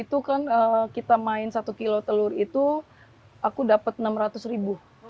itu kan kita main satu kg telur itu aku dapat rp enam ratus